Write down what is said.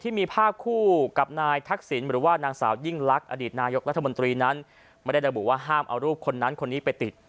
ของพักการเมืองและสิ่งบัญชนในวัน๑๙ธันวาคมนี้